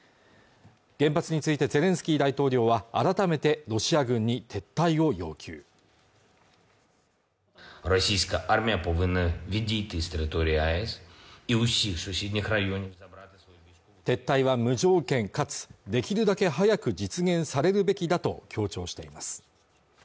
原発についてゼレンスキー大統領は改めてロシア軍に撤退を要求撤退は無条件かつできるだけ早く実現されるべきだと強調しています